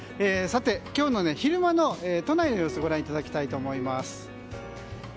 さて、今日の昼間の都内の様子ご覧いただきたいと思います。